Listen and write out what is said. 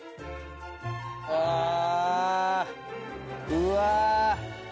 うわ！